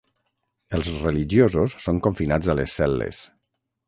Els religiosos són confinats a les cel·les.